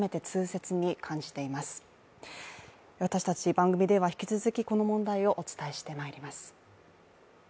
番組では引き続きこの問題をお伝えしてまいります。